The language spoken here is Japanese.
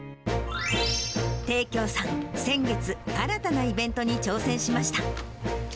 貞鏡さん、先月、新たなイベントに挑戦しました。